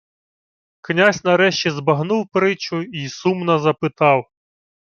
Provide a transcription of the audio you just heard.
Князь нарешті збагнув притчу й сумно запитав: